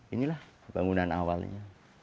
inilah bangunan awalnya